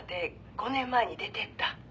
５年前に出て行った。